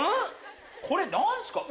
これ何ですか？